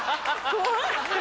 怖い！